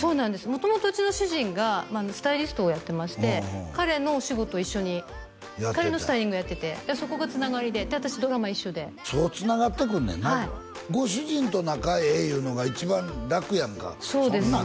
元々うちの主人がスタイリストをやってまして彼のお仕事を一緒に彼のスタイリングをやっててそこがつながりでで私ドラマ一緒でそうつながってくるねんなはいご主人と仲ええいうのが一番楽やんかそうですね